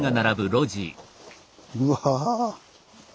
うわ。